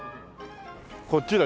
こっちだ。